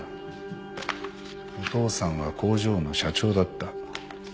お父さんは工場の社長だった。